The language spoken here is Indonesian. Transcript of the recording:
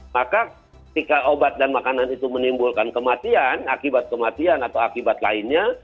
maka ketika obat dan makanan itu menimbulkan kematian akibat kematian atau akibat lainnya